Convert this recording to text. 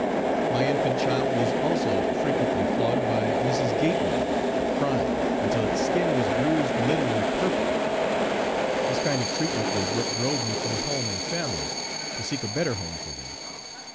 My infant child was also frequently flogged by Mrs. Gatewood, for crying, until its skin was bruised literally purple. This kind of treatment was what drove me from home and family, to seek a better home for them.